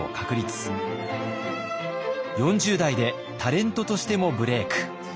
４０代でタレントとしてもブレーク。